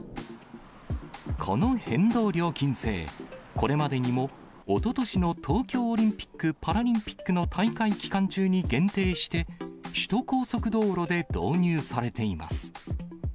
この変動料金制、これまでにも、おととしの東京オリンピック・パラリンピックの大会期間中に限定して、首都高速道路で導入されています。